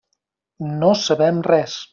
No sabem res.